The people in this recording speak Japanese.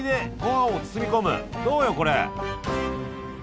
どうよこれ！